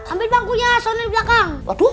ambil bangkunya sony belakang